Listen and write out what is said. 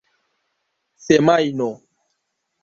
semajno